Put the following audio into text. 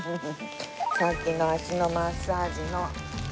さっきの足のマッサージの。